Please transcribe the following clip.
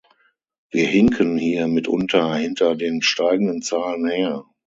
Wir hinken hier mitunter hinter den steigenden Zahlen her.